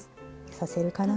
させるかな？